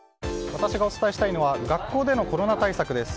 私がお伝えしたいのは学校でのコロナ対策です。